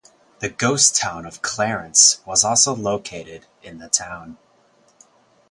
The ghost town of Clarence was also located in the town.